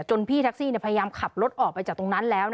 พี่แท็กซี่พยายามขับรถออกไปจากตรงนั้นแล้ว